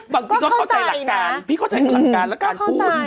บางทีก็เข้าใจหลักการพี่เข้าใจพลังการและการพูด